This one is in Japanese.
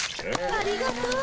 ありがとう！